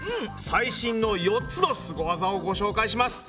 最新の４つのスゴワザをご紹介します。